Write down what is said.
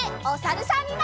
おさるさん。